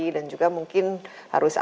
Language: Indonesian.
dan juga mungkin harus ada